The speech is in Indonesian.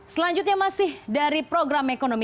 selanjutnya masih dari program ekonomi